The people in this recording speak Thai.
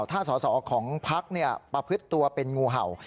ถ้าสอสอของพักประพฤติตัวเป็นงูเห่า